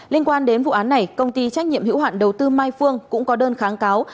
liên quan đến vụ án này công ty trách nhiệm hữu hạn đầu tư mai phương cũng có đơn kháng cáo